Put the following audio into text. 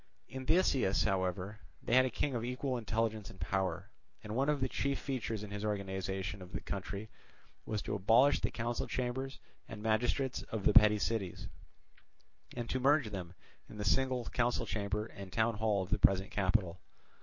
In Theseus, however, they had a king of equal intelligence and power; and one of the chief features in his organization of the country was to abolish the council chambers and magistrates of the petty cities, and to merge them in the single council chamber and town hall of the present capital.